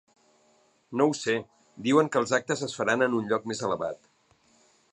No ho sé, diuen que els actes es faran en un lloc més elevat.